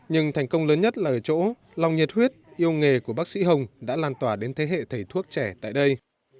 nhưng thành công lớn nhất là ở chỗ lòng nhiệt huyết yêu nghề của bác sĩ hồng đã lan tỏa đến thế hệ thầy thuốc trẻ tại đây